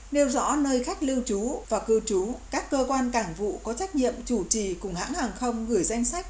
nêu rõ nơi khách lưu trú và cư trú các cơ quan cảng vụ có trách nhiệm chủ trì cùng hãng hàng không gửi danh sách